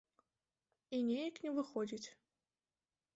І неяк не выходзіць.